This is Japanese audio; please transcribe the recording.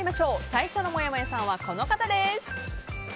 最初のもやもやさんはこの方です。